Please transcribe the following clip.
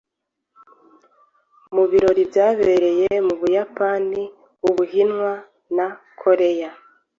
mu birori byabereye mu Buyapani, Ubuhinwa na Koreya